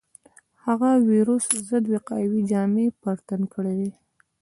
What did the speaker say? هغه د وېروس ضد وقايوي جامې پر تن کړې وې.